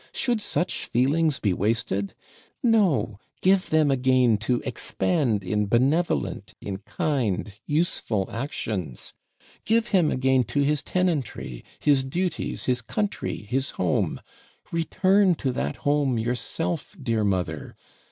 Should such feelings be wasted? No; give them again to expand in benevolent, in kind, useful actions; give him again to his tenantry, his duties, his country, his home; return to that home yourself, dear mother!